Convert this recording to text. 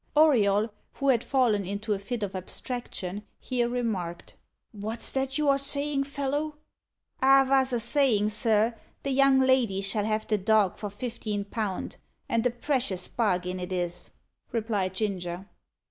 Auriol, who had fallen into a fit of abstraction, here remarked: "What's that you are saying, fellow?" "I vos a sayin', sir, the young lady shall have the dog for fifteen pound, and a precious bargin it is," replied Ginger.